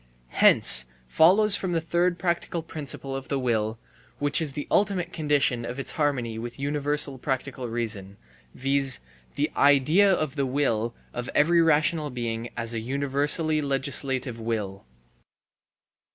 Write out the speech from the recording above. Hence follows the third practical principle of the will, which is the ultimate condition of its harmony with universal practical reason, viz.: the idea of the will of every rational being as a universally legislative will.